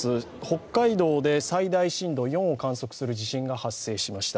北海道で最大震度４を観測する地震が発生しました。